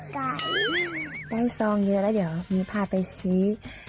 ได้ซองเยอะแล้วเดี๋ยวมีพาไปชี้